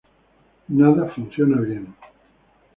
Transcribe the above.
Nada funciona bien.